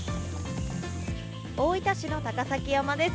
大分市の高崎山です。